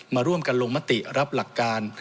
มาร่วมกันลงมติรับหลักการ